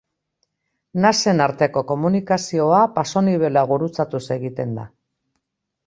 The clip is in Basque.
Nasen arteko komunikazioa pasonibela gurutzatuz egiten da.